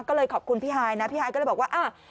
ก็เลยขอบคุณพี่ฮายนะพี่ฮายก็เลยบอกว่า